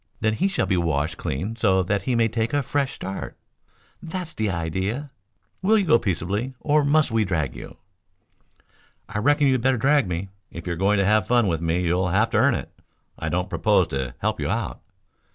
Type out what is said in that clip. "Then he shall be washed clean so that he may take a fresh start?" "That's the idea!" "Will you go peaceably or must we drag you?" "I reckon you'd better drag me. If you're going to have fun with me you'll have to earn it. I don't propose to help you out."